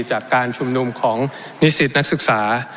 จากการชุมนุมของนิสิตนักศึกษา